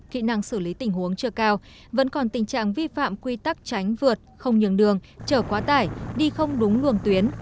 kỹ năng xử lý tình huống chưa cao vẫn còn tình trạng vi phạm quy tắc tránh vượt không nhường đường trở quá tải đi không đúng luồng tuyến